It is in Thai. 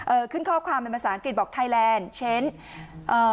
ขึ้นข้อความเป็นภาษาอังกฤษบอกไทยแลนด์เช่นเอ่อ